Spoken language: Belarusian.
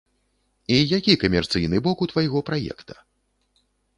І які камерцыйны бок у твайго праекта?